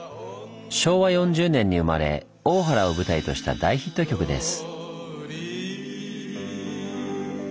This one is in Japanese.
昭和４０年に生まれ大原を舞台とした大ヒット曲です。